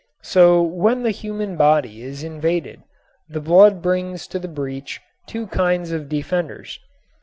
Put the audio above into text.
So when the human body is invaded the blood brings to the breach two kinds of defenders.